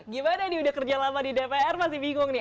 gimana nih udah kerja lama di dpr masih bingung nih